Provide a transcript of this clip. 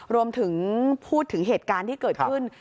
รวมถึงพูดถึงเหตุการณ์ที่เกิดขึ้น